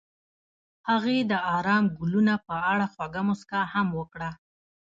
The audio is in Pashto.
هغې د آرام ګلونه په اړه خوږه موسکا هم وکړه.